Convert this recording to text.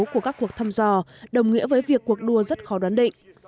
của các cuộc thăm dò đồng nghĩa với việc cuộc đua rất khó đoán định